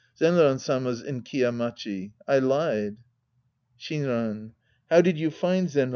Zenran Sama's in Kiya Machi. I lied. Shinran. How did you find Zenran ?